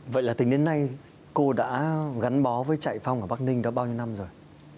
vậy là tính đến nay cô đã gắn bó với chạy phong ở bắc ninh đã bao nhiêu năm rồi